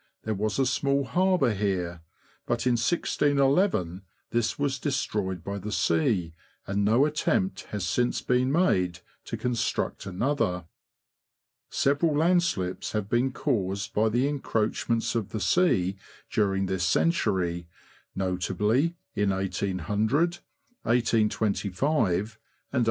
there was a small harbour here, but in 1611 this was destroyed by the sea, and no attempt has since been made to construct another. Several landslips have been caused by the encroach ments of the sea during this century, notably in 1800, 1825, and 1832.